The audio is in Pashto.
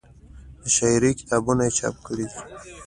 د شاعرۍ کتابونه یې چاپ کړي دي